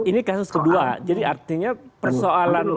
ini kasus kedua jadi artinya persoalan